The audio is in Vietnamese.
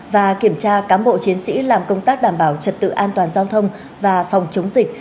và kiểm tra cán bộ chiến sĩ làm công tác đảm bảo trật tự an toàn giao thông và phòng chống dịch